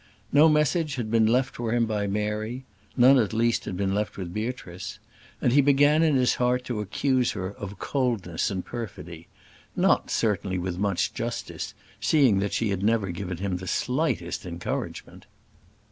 No message had been left for him by Mary none at least had been left with Beatrice; and he began in his heart to accuse her of coldness and perfidy; not, certainly, with much justice, seeing that she had never given him the slightest encouragement.